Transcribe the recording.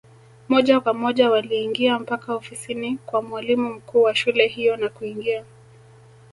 Moja kwa moja waliingia mpaka ofisini kwa mwalimu mkuu wa shule hiyo na kuingia